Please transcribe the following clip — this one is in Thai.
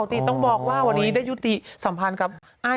ติต้องบอกว่าได้ยุติสัมผัสกับ